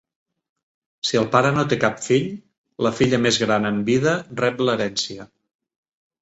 Si el pare no té cap fill, la filla més gran en vida rep l'herència.